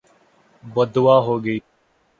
بدعا ہو گئی